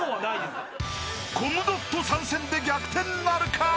［コムドット参戦で逆転なるか？］